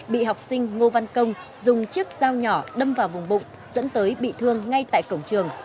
bị học sinh ngô văn công dùng chiếc dao nhỏ đâm vào vùng bụng dẫn tới bị thương ngay tại cổng trường